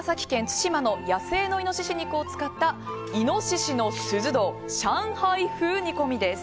対馬の野生のイノシシ肉を使った猪の獅子頭上海風煮込みです。